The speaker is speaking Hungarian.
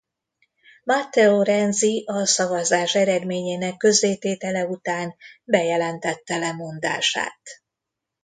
Matteo Renzi a szavazás eredményének közzététele után bejelentette lemondását.